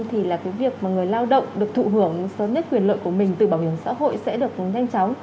thì là cái việc mà người lao động được thụ hưởng sớm nhất quyền lợi của mình từ bảo hiểm xã hội sẽ được nhanh chóng